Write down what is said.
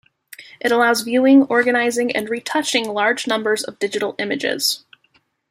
It allows viewing, organizing and retouching large numbers of digital images.